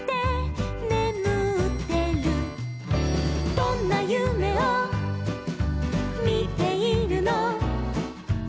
「どんなゆめをみているの」